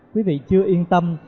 quý vị chưa yên tâm